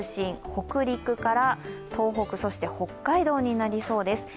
北陸から東北そして北海道になりそうです。